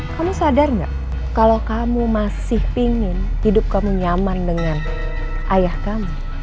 kamu sadar nggak kalau kamu masih ingin hidup kamu nyaman dengan ayah kamu